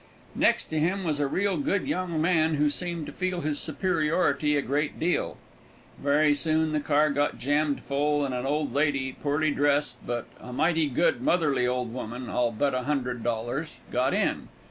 Next to him was a real good young man, who seemed to feel his superiority a great deal. Very soon the car got jammed full, and an old lady, poorly dressed, but a mighty good, motherly old woman, I'll bet a hundred dollars, got in.